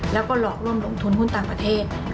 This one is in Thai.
แล้วก็หลอกร่วมลงทุนหุ้นต่างประเทศ